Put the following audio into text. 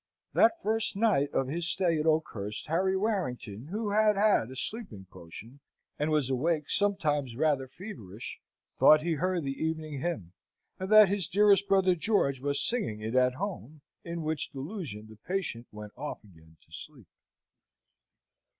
That first night of his stay at Oakhurst, Harry Warrington, who had had a sleeping potion, and was awake sometimes rather feverish, thought he heard the Evening Hymn, and that his dearest brother George was singing it at home, in which delusion the patient went off again to sleep.